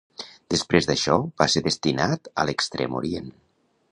Després d'això va ser destinat a l'Extrem Orient.